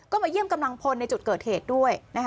ก็มาเยี่ยมกำลังพลในจุดเกิดเหตุด้วย